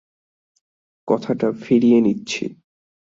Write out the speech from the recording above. কথাটা ফিরিয়ে নিচ্ছি।